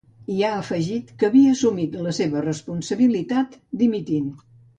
I ha afegit que havia assumit la seva responsabilitat dimitint.